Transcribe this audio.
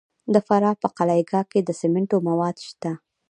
د فراه په قلعه کاه کې د سمنټو مواد شته.